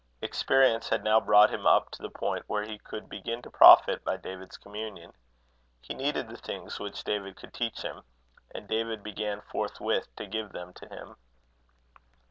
Experience had now brought him up to the point where he could begin to profit by David's communion; he needed the things which David could teach him; and David began forthwith to give them to him.